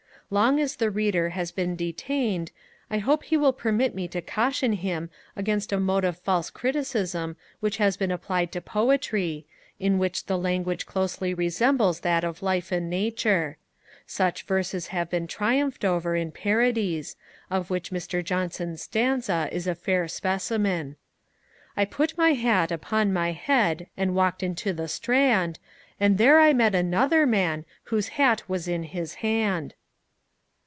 Long as the Reader has been detained, I hope he will permit me to caution him against a mode of false criticism which has been applied to Poetry, in which the language closely resembles that of life and nature. Such verses have been triumphed over in parodies, of which Dr. Johnson's stanza is a fair specimen: I put my hat upon my head And walked into the Strand, And there I met another man Whose hat was in his hand.